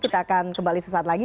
kita akan kembali sesaat lagi